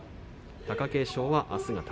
貴景勝はあすが宝